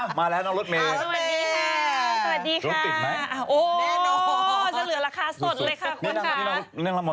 สมมติแน่นอนจะเหลือลักษณ์สดเลยค่ะคุณค่ะ